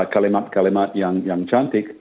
kalimat kalimat yang cantik